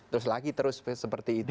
terus lagi terus seperti itu